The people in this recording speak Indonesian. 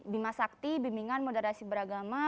bima sakti bimbingan moderasi beragama